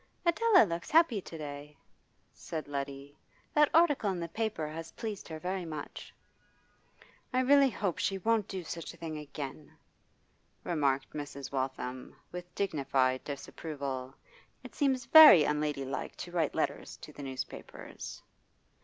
'Adela looks happy to day,' said Letty. 'That article in the paper has pleased her very much.' 'I really hope she won't do such a thing again,' remarked Mrs. Waltham, with dignified disapproval. 'It seems very unlady like to write letters to the newspapers.